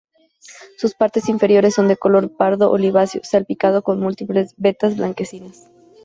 Sus partes inferiores son de color pardo oliváceo salpicado con múltiples vetas blanquecinas.